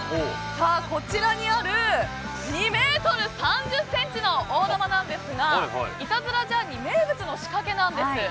こちらにある２ｍ３０ｃｍの大玉なんですが「イタズラジャーニー」名物の仕掛けなんです。